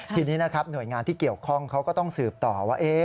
ทีนี้นะครับหน่วยงานที่เกี่ยวข้องเขาก็ต้องสืบต่อว่า